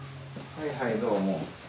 はいはいどうも。